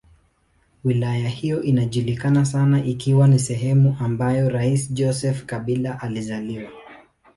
Wilaya hiyo inajulikana sana ikiwa ni sehemu ambayo rais Joseph Kabila alizaliwa.